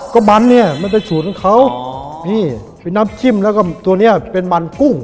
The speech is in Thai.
ก็มันเนี่ยมันเป็นสูตรของเขานี่เป็นน้ำจิ้มแล้วก็ตัวเนี้ยเป็นมันกุ้ง